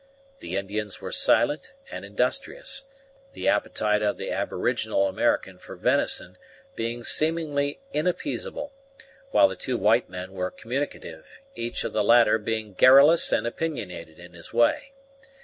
The Indians were silent and industrious the appetite of the aboriginal American for venison being seemingly inappeasable, while the two white men were communicative, each of the latter being garrulous and opinionated in his way.